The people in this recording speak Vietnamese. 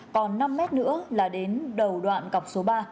còn năm mét nữa là đến đầu đoạn cọc số ba